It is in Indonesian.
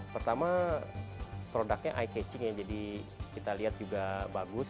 pertama produknya eye catching ya jadi kita lihat juga bagus